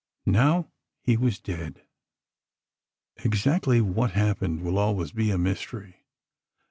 Now, he was dead. Exactly what happened will always be a mystery.